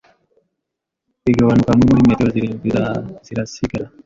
bigabanuka hamwe Muri metero zirindwi zirasigara